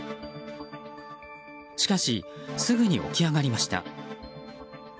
しかし、すぐに起き上がりました。